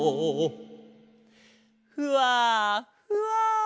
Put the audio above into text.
ふわふわ。